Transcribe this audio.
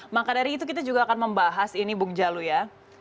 maka dari itu kita juga akan membahas ini bung jalu ya